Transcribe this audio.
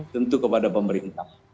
tentu kepada pemerintah